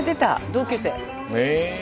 同級生。へ。